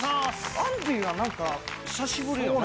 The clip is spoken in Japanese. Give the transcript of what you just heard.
アンディは何か久しぶりよね。